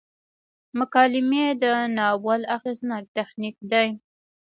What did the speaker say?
مکالمې د ناول اغیزناک تخنیک دی.